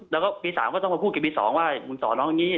แล้วก็ปี๓ก็ต้องมาพูดกับปี๒ว่าคุณสอนน้องอย่างนี้